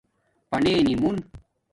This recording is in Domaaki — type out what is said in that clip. پننی موُن